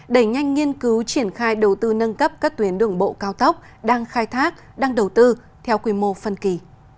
đẩy nhanh nghiên cứu triển khai đầu tư nâng cấp các tuyến đường bộ cao tốc đang khai thác đang đầu tư theo quy mô phân kỳ